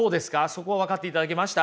そこ分かっていただけました？